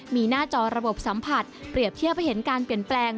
มีหน้าจอระบบสัมผัสเปรียบเทียบให้เห็นการเปลี่ยนแปลง